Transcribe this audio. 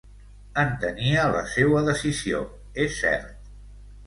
Entenia la seua decisió, és cert.